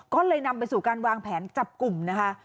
ก็เลยนำไปสู่การวางแผนจับกลุ่มนะคะ